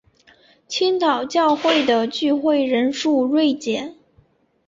青岛教会的聚会人数锐减。